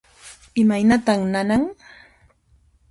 Imaynatan nanan?